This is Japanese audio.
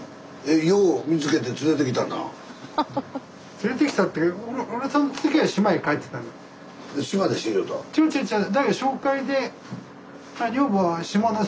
連れてきたっていうか違う違う違う。